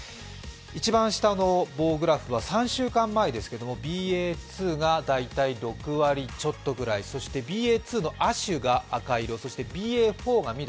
一番下の棒グラフは３週間前ですけれどもＢＡ．２が大体６割ちょっとくらいそしてＢＡ．２の亜種が赤色、そしてＢＡ．４が緑。